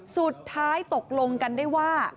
สุดท้ายตกลงกันได้ว่า